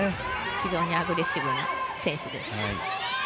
非常にアグレッシブな選手です。